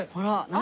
何？